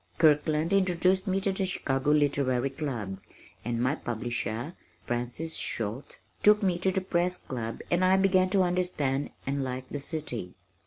Kirkland introduced me to the Chicago Literary Club, and my publisher, Frances Schulte, took me to the Press Club and I began to understand and like the city.